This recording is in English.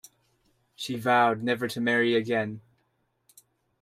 She vowed never to marry again.